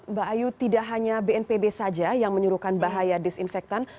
mbak ayu tidak hanya bnpb saja yang menyuruhkan bahaya disinfektan